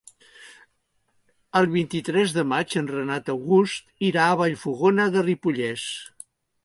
El vint-i-tres de maig en Renat August irà a Vallfogona de Ripollès.